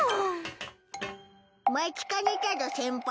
待ちかねたぞ先輩。